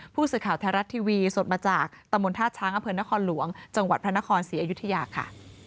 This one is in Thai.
ผู้สื่อข่าวไทยรัฐทีวีสดมาจากตำบลท่าช้างอำเภอนครหลวงจังหวัดพระนครศรีอยุธยาค่ะ